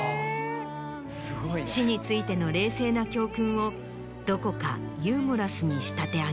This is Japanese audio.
死についての冷静な教訓をどこかユーモラスに仕立て上げた。